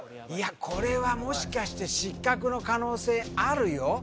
いやこれはもしかして失格の可能性あるよ